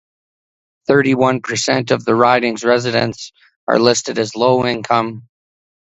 Thirty-one per cent of the riding's residents are listed as low-income.